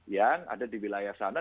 yang ada di wilayah sana